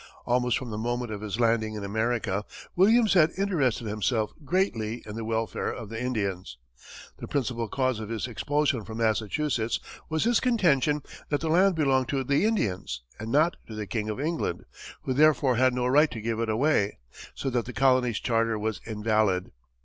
Almost from the moment of his landing in America, Williams had interested himself greatly in the welfare of the Indians. The principal cause of his expulsion from Massachusetts was his contention that the land belonged to the Indians and not to the King of England, who therefore had no right to give it away, so that the colony's charter was invalid.